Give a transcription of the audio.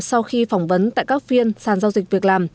sau khi phỏng vấn tại các phiên sàn giao dịch việc làm